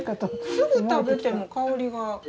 すぐ食べても香りが。